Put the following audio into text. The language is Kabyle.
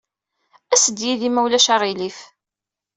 As-d yid-i, ma ulac aɣilif.